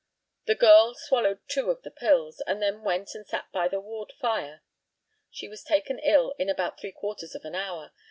The girl swallowed two of the pills, and then went and sat by the ward fire. She was taken ill in about three quarters of an hour.